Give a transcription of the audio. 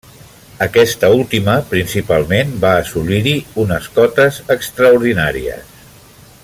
Aquesta última, principalment, va assolir-hi unes cotes extraordinàries.